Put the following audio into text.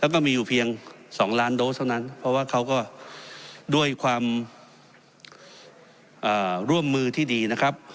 แล้วก็มีอยู่เพียง๒ล้านโดสเท่านั้นเพราะว่าเขาก็ด้วยความร่วมมือที่ดีนะครับ